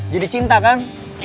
jadi cinta kan